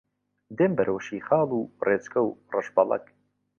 دێم بەرەو شیخاڵ و ڕێچکە و ڕەشبەڵەک